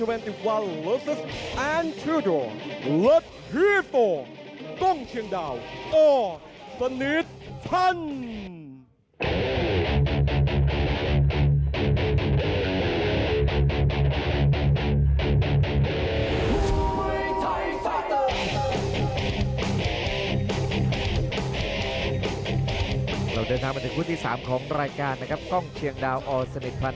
เดินทางมาถึงคู่ที่๓ของรายการนะครับกล้องเชียงดาวอสนิทพันธ์